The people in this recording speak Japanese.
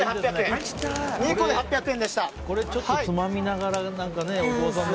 これちょっとつまみながら大久保さんね。